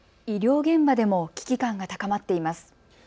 医療現場でも危機感が高まっています。